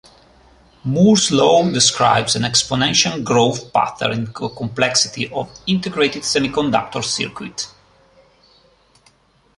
Moore's law describes an exponential growth pattern in the complexity of integrated semiconductor circuits.